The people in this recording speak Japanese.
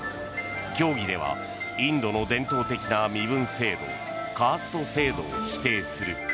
教義ではインドの伝統的な身分制度カースト制度を否定する。